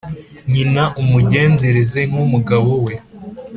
nyina umugenzereze nk’umugabo we;